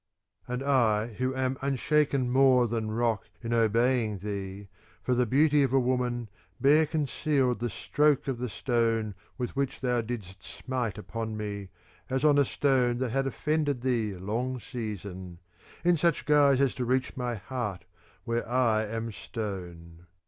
II And I who am unshaken more than rock in obeying thee, for the beauty of a woman, bear concealed the stroke of the stone with which thou didst smite upon me, as on a stone that had offended thee long season, in such guise as to reach my heart, where I am stone.